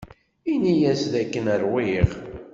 Ini-as dakken ṛwiɣ.